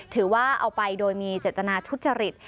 ถือว่าเอาไปโดยมีเจตนาทุจริต